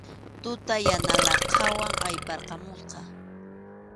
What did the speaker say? Tuta yana laqhanwan ayparqamusqa.